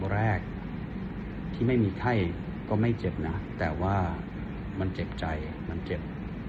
แรกที่ไม่มีไข้ก็ไม่เจ็บนะแต่ว่ามันเจ็บใจมันเจ็บ